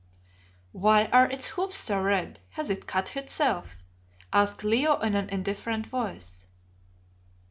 "Why are its hoofs so red? Has it cut itself?" asked Leo in an indifferent voice.